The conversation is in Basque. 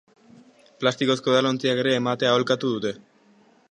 Plastikozko edalontziak ere ematea aholkatu dute.